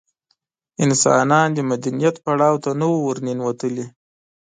انسانان د مدنیت پړاو ته نه وو ورننوتلي.